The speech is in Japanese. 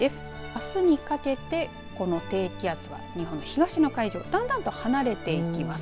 あすにかけてこの低気圧は日本の東の海上だんだんと離れていきます。